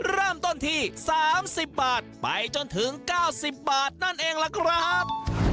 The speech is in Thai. เริ่มต้นที่สามสิบบาทไปจนถึงเก้าสิบบาทนั่นเองละครับ